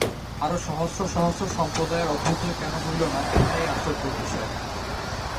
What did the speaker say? আরও সহস্র সহস্র সম্প্রদায়ের অভ্যুদয় কেন হইল না, ইহাই আশ্চর্যের বিষয়।